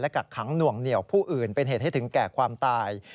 กักขังหน่วงเหนียวผู้อื่นเป็นเหตุให้ถึงแก่ความตาย